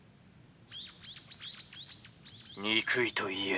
「憎いと言え」。